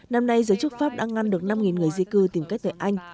năm nay giới chức pháp đã ngăn được năm người di cư tìm cách tại anh